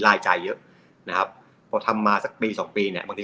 รายจ่ายเยอะนะครับพอทำมาสักปีสองปีเนี่ยบางที